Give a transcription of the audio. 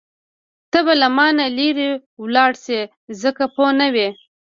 ته به له مانه لرې لاړه شې ځکه پوه نه وې.